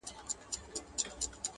په سره ټاکنده غرمه کي!